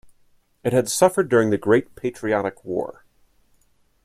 It had suffered during the Great Patriotic War.